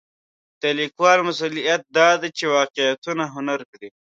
د لیکوال مسوولیت دا دی چې واقعیتونه هنري کړي.